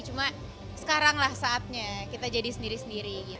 cuma sekarang lah saatnya kita jadi sendiri sendiri